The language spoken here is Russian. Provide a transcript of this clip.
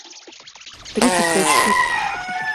тридцать пять штук